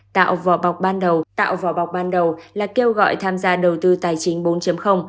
tạo vỏ bọc ban đầu là kêu gọi tham gia đầu tư tài chính bốn